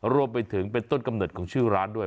รวมไปถึงเป็นต้นกำเนิดของชื่อร้านด้วย